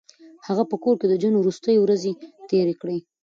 هغه په کور کې د ژوند وروستۍ ورځې تېرې کړې.